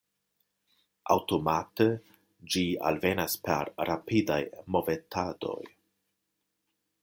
Aŭtomate ĝi alvenas per rapidaj movetadoj.